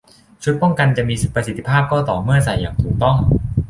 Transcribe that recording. ชุดป้องกันจะมีประสิทธิภาพก็ต่อเมื่อใส่อย่างถูกต้อง